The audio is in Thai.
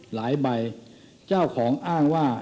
หลายใบเจ้าของอ้างว่า